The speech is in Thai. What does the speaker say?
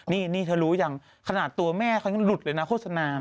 นี่เธอรู้ยังขนาดตัวแม่เขายังหลุดเลยนะโฆษณา